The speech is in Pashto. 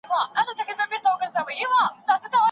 هغه ږیره لرونکی سړی چي ډوډۍ او مڼه راوړي، زما ورور دی.